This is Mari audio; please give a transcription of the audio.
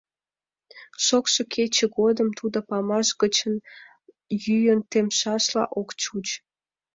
Шокшо кече годым тудо памаш гычын йӱын темшашла ок чуч.